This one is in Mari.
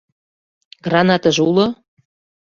Гранатыже уло?